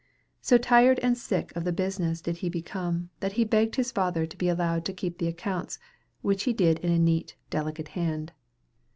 So tired and sick of the business did he become, that he begged his father to be allowed to keep the accounts, which he did in a neat, delicate hand.